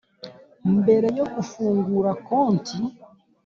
mbere yo gufungura konti